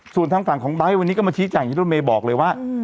สูตรทางฝั่งของใบท์วันนี้ก็มาชี้จ่ายอย่างที่ท่านเมย์บอกเลยว่าอืม